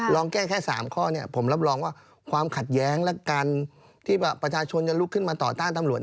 ลองแก้แค่๓ข้อผมรับรองว่าความขัดแย้งและการที่ประชาชนจะลุกขึ้นมาต่อต้านตำรวจ